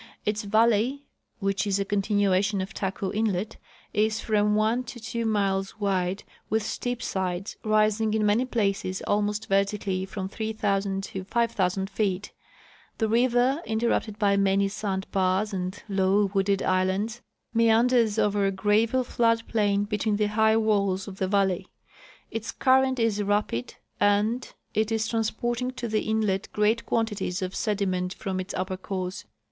Its valley, which is a continuation of Taku inlet, is from one to two miles wide with steep sides rising in many places almost vertically from 3,000 to 5,000 feet. The river, interrupted by many sand bars and low, wooded islands, meanders over a gravel floodplain be tween the high walls of the valley. Its current is rapid and it is transporting to the inlet great quantities of sediment from its upper course.